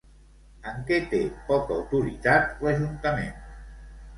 En què té poca autoritat l'Ajuntament?